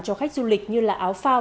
cho khách du lịch như áo phao